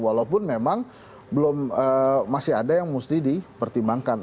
walaupun memang belum masih ada yang mesti dipertimbangkan